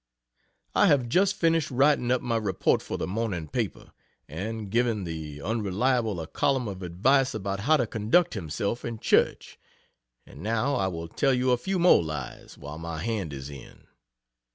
I have just finished writing up my report for the morning paper, and giving the Unreliable a column of advice about how to conduct himself in church, and now I will tell you a few more lies, while my hand is in.